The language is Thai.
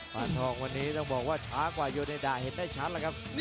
ปานทองวันนี้ต้องบอกว่าช้ากว่าโยเดดาเห็นได้ชัดแล้วครับ